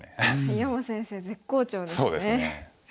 井山先生絶好調ですね。